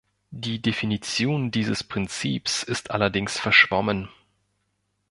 Die Definition dieses Prinzips ist allerdings verschwommen.